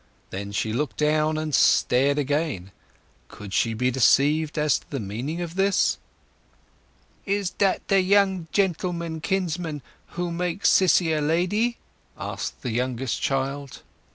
Then she looked down, then stared again. Could she be deceived as to the meaning of this? "Is dat the gentleman kinsman who'll make Sissy a lady?" asked the youngest child.